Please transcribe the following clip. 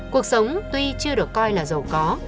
cuộc sống tuy chưa được coi là giàu có